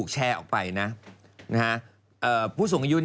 ไม่บอกไปกินเข้สิไปกินขี้สิ